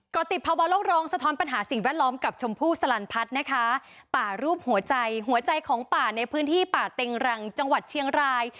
ก็ติดภาวะโลกร้องสะท้อนปัญหาสิ่งแวดล้อมกับชมพู่สลันพัฒน์นะคะป่ารูปหัวใจหัวใจของป่าในพื้นที่ป่าเต็งรังจังหวัดเชียงราย